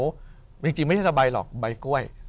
จริงไม่ใช่สบายหรอกใบกล้วย